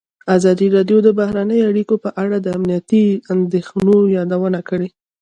ازادي راډیو د بهرنۍ اړیکې په اړه د امنیتي اندېښنو یادونه کړې.